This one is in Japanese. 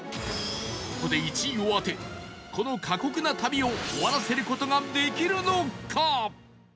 ここで１位を当てこの過酷な旅を終わらせる事ができるのか？